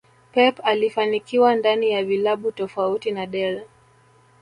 Pep alifanikiwa ndani ya vilabu tofauti na Del